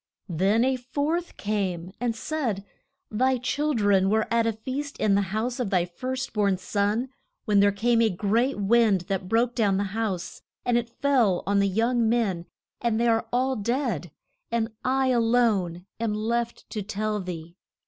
Then a fourth came, and said, Thy chil dren were at a feast in the house of thy first born son, when there came a great wind that broke down the house, and it fell on the young men and they are all dead, and I a lone am left to tell thee.